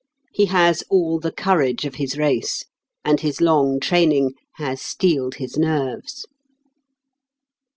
He has all the courage of his race, and his long training has steeled his nerves.